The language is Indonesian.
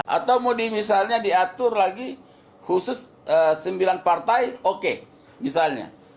atau mau misalnya diatur lagi khusus sembilan partai oke misalnya